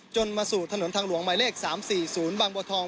มาสู่ถนนทางหลวงหมายเลข๓๔๐บางบัวทอง